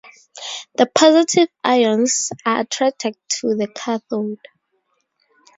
The positive ions are attracted to the cathode.